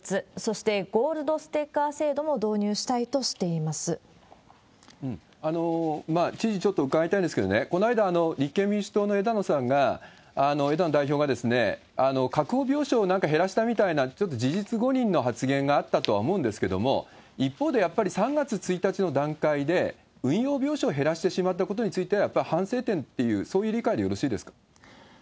また店員支援組織を新設、そしてゴールドステッカー制度も導入し知事、ちょっと伺いたいんですけれども、この間、立憲民主党の枝野さんが、枝野代表が確保病床をなんか減らしたみたいな、ちょっと事実誤認の発言があったとは思うんですけれども、一方でやっぱり３月１日の段階で運用病床を減らしてしまったことについては、やっぱり反省点という、そういう理解でよろしいです